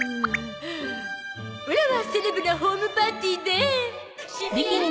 オラはセレブなホームパーティーで